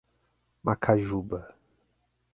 Macajuba